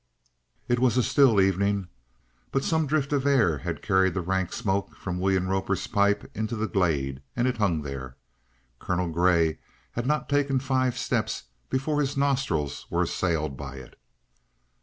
It was a still evening, but some drift of air had carried the rank smoke from William Roper's pipe into the glade, and it hung there. Colonel Grey had not taken five steps before his nostrils were assailed by it.